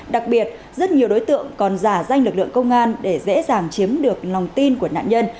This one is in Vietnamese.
đặc biệt rất nhiều đối tượng còn giả danh lực lượng công an để dễ dàng chiếm được lòng tin của nạn nhân